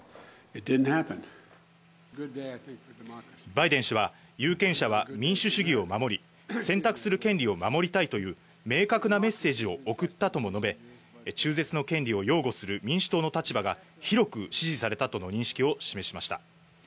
バイデン氏は、有権者は民主主義を守り、選択する権利を守りたいという明確なメッセージを送ったとも述べ、中絶の権利を擁護する民主党の立場が広く支持されたとの認識を示しました。